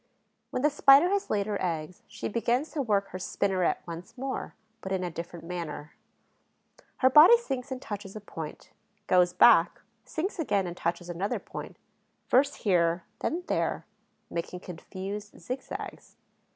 When the Spider has laid her eggs, she begins to work her spinneret once more, but in a different manner. Her body sinks and touches a point, goes back, sinks again and touches another point, first here, then there, making confused zigzags.